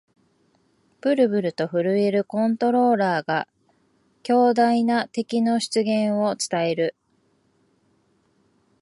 ブルブルと震えるコントローラーが、強大な敵の出現を伝える